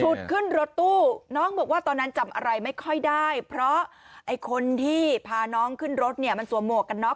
ขึ้นรถตู้น้องบอกว่าตอนนั้นจำอะไรไม่ค่อยได้เพราะไอ้คนที่พาน้องขึ้นรถเนี่ยมันสวมหวกกันน็